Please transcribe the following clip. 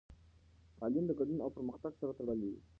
تعلیم د ګډون او پرمختګ سره تړلی دی.